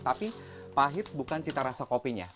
tapi pahit bukan cita rasa kopinya